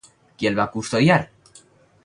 Qui el va custodiar?